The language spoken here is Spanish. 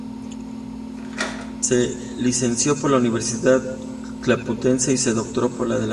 Se licenció por la Universidad Complutense y se doctoró por la de Valencia.